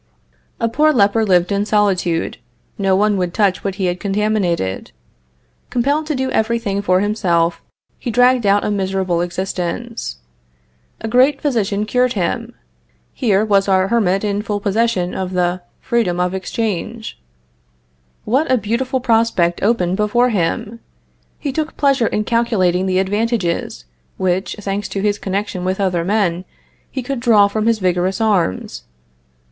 A poor leper lived in solitude. No one would touch what he had contaminated. Compelled to do everything for himself, he dragged out a miserable existence. A great physician cured him. Here was our hermit in full possession of the freedom of exchange. What a beautiful prospect opened before him! He took pleasure in calculating the advantages, which, thanks to his connection with other men, he could draw from his vigorous arms.